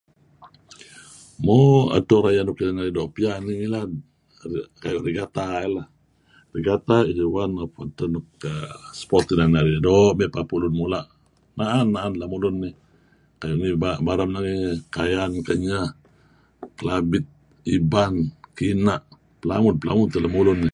Mo, edto rayeh nuk narih doo' piyan eh ngilad, iyeh ineh kayu' Regatta he leh. Regatta is one of edteh nuk sport inan narih doo' papu' lun mula', na'an-na'an lemulun kayu' [unintelligible] Kayan, Kenyah, Kelabit, Iban, Kina', pelamud-pelamud teh lemulun.